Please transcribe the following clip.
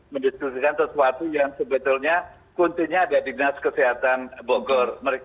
mendiskusikan sesuatu yang sebetulnya kuncinya ada di dinas kesehatan bogor